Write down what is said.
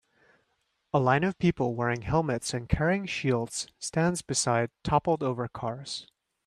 A line of people wearing helmets and carrying shields stands beside toppled over cars.